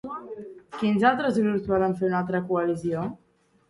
Quins altres grups volen fer una altra coalició?